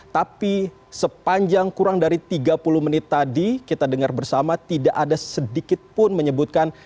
tapi sepanjang kurang dari tiga puluh menit tadi kita dengar bersama tidak ada sedikit pun menyebutkan